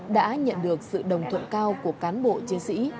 đã nhận được sự đồng thuận cao của cán bộ chiến sĩ